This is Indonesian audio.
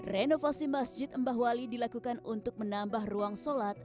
renovasi masjid mbah wali dilakukan untuk menambah ruang sholat